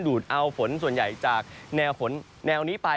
ดูดเอาฝนส่วนใหญ่จากแนวฝนแนวนี้ไป